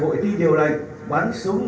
hội thi điều lệnh bắn súng